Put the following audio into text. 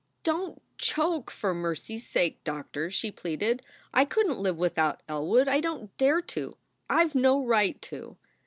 "Don t joke, for mercy s sake, Doctor!" she pleaded. "I couldn t live without Elwood, I don t dare to. I ve no right to."